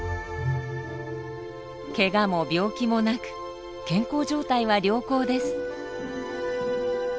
ケガも病気もなく健康状態は良好です。